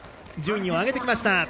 順位を上げてきました。